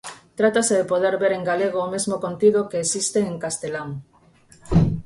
Trátase de poder ver en galego o mesmo contido que existe en castelán.